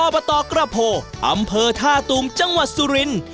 อบตกระโพอำเภอท่าตูมจังหวัดสุรินทร์